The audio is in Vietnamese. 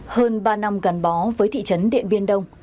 hơn ba năm gắn bó với thị trấn điện biên đông